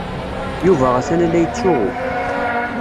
Yuba atan la yettsuɣu.